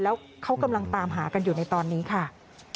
แล้วเขากำลังตามหากันอยู่ในตอนนี้ค่ะ